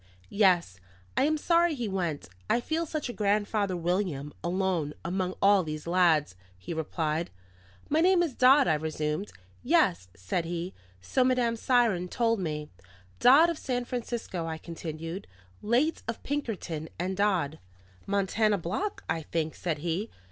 "Yes, I am sorry he went; I feel such a Grandfather William, alone among all these lads," he replied. "My name is Dodd," I resumed. "Yes," said he, "so Madame Siron told me." "Dodd, of San Francisco," I continued. "Late of Pinkerton and Dodd." "Montana Block, I think?" said he.